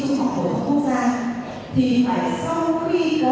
thì chúng tôi mới đảm bảo địa sản và công bố địa sản